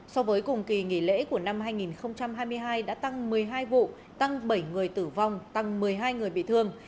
so với cùng kỳ nghỉ lễ của năm hai nghìn hai mươi hai đã tăng một mươi hai vụ tăng bảy người tử vong tăng một mươi hai người bị thương